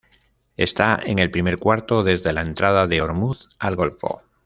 Está en el primer cuarto desde la entrada de ormuz al golfo.